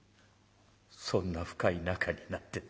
「そんな深い仲になってたのか。